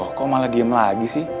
loh kok malah diem lagi